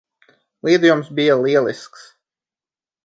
Lidojums bija lielisks.